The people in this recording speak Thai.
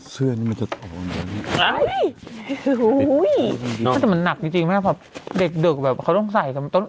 เสื้อนี้มันจะอุ้ยมันหนักจริงจริงไหมพอเด็กเด็กแบบเขาต้องใส่กัน